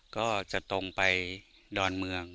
ก็จะตรงไปดอนเมือง